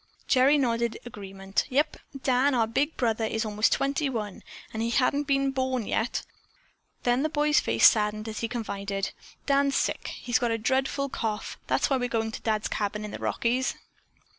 Gerry nodded agreement. "Yep. Dan, our big brother is most twenty one and he hadn't been born yet." Then the boy's face saddened as he confided: "Dan's sick. He's got a dreadful cough. That's why we're going to Dad's cabin in the Rockies."